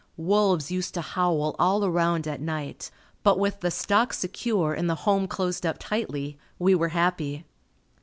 Wolves used to howl all around at night but with the stock secure and the home closed up tightly, we were happy.